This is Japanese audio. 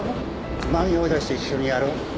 真実を追い出して一緒にやろう。